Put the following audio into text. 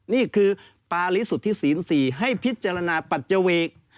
นี่คือปาริสุทธิศีล๔ให้พิจารณาปัจจเวก